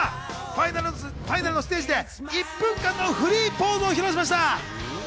ファイナルのステージで１分間のフリーポーズを披露しました。